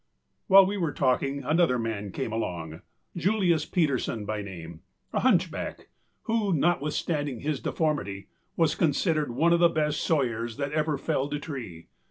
â While we were talking, another man came along, Julius Peterson by name, a hunchback, who, notwithstanding his deformity, was considered one of the best sawyers that ever felled a tree.